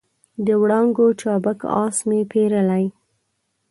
د وړانګو چابک آس مې پیرلی